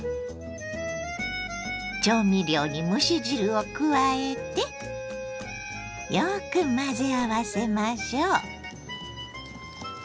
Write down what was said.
調味料に蒸し汁を加えてよく混ぜ合わせましょう。